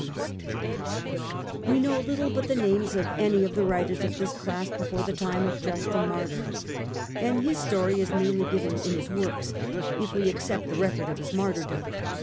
CH. VI. The Empire and Christianity, 149 We know little but the names of any of the writers of this class before the time of Justin Martyr, and his story is mainly given us in his works, if we except the record of his martyrdom.